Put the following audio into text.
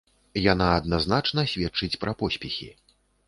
Яна адназначна сведчыць пра поспехі.